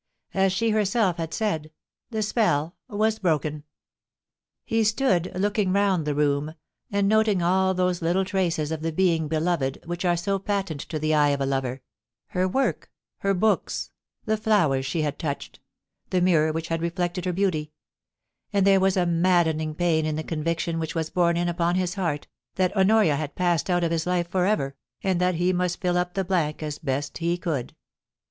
As she herself had said, the spell was broken. He stood, looking round the room, and noting all those little traces of the being beloved which are so patent to the eye of a lover — her work, her books, the flowers she had touched, the mirror which had reflected her beauty ; and there was a maddening pain in the conviction which was borne in upon his heart, that Honoria had passed out of his life for ever, and that he must All up the blank as best he could.